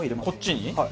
こっちに？